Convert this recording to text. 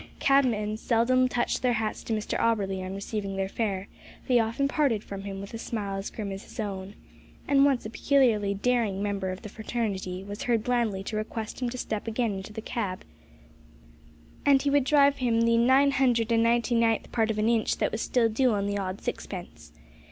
Cabmen seldom touched their hats to Mr Auberly on receiving their fare; they often parted from him with a smile as grim as his own, and once a peculiarly daring member of the fraternity was heard blandly to request him to step again into the cab, and he would drive him the "nine hundred and ninety ninth part of an inch that was still doo on the odd sixpence."